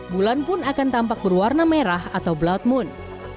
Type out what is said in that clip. bulan pun akan tampak berwarna merah atau blood moon